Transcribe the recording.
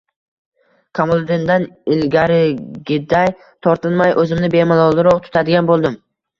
Kamoliddindan ilgarigiday tortinmay, o`zimni bemalolroq tutadigan bo`ldim